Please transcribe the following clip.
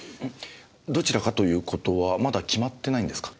どちらかということはまだ決まってないんですか？